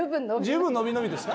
十分伸び伸びですか？